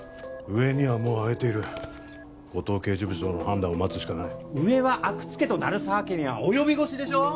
上にはもう上げている五嶋刑事部長の判断を待つしかない上は阿久津家と鳴沢家には及び腰でしょう？